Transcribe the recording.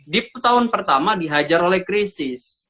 di tahun pertama dihajar oleh krisis